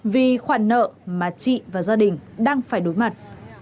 vì khoản nợ mà chị và gia đình đang phải đối mặt